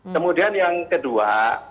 kemudian yang kedua